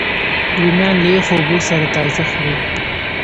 رومیان له یخو اوبو سره تازه خوري